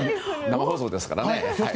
生放送ですからね。